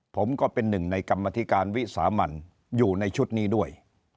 ผมก็เป็นหนึ่งในกรรมธิการวิสามันอยู่ในชุดนี้ด้วย